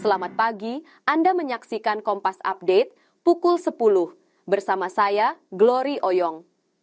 selamat pagi anda menyaksikan kompas update pukul sepuluh bersama saya glory oyong